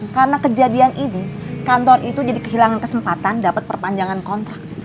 karena kejadian ini kantor itu jadi kehilangan kesempatan dapet perpanjangan kontrak